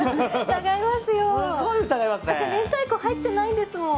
だって、明太子入ってないんですもん！